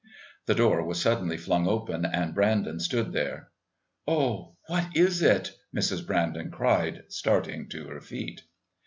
The door was suddenly flung open, and Brandon stood there. "Oh, what is it?" Mrs. Brandon cried, starting to her feet.